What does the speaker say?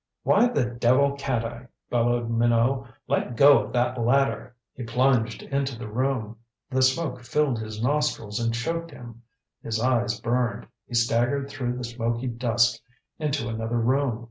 "Why the devil can't I?" bellowed Minot. "Let go of that ladder!" He plunged into the room. The smoke filled his nostrils and choked him. His eyes burned. He staggered through the smoky dusk into another room.